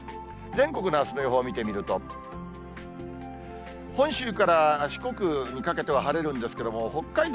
全国のあすの予報を見てみると、本州から四国にかけては晴れるんですけれども、北海道